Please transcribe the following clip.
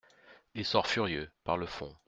Il sort furieux, par le fond.